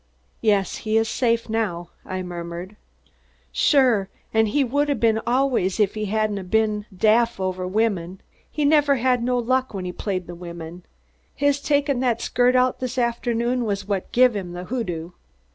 "Yes, he's safe now," I murmured. "Sure! An' he would 'a' been always if he hadn't been daff' over women. He never had no luck when he played the women. His takin' that skirt out this afternoon was what give him the hoodoo."